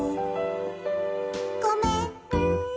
「ごめんね」